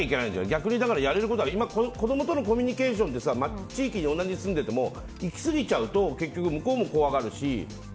逆にやれることは子供とのコミュニケーションで同じ地域に住んでいても行きすぎちゃうと結局向こうも怖がるし。